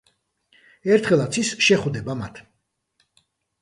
ერთხელაც ის შეხვდება მათ.